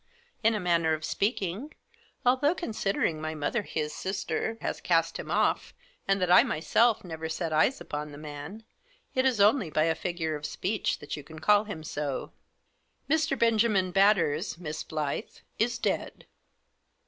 " In a manner of speaking. Although, considering my mother, his sister, cast him off, and that I myself never set eyes upon the man, it is only by a figure of speech that you can call him so." Digitized by THE MISSIOKABY'S LETTER. 43 ' Mr. Benjamin Batters, Miss Blyth, is dead."